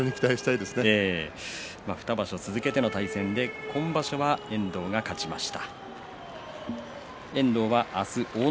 ２場所連続の対戦は今場所遠藤が勝ちました。